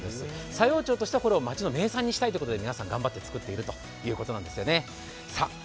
佐用町としては、これを町の名産にしたいということで皆さん頑張って作っているということなんですね。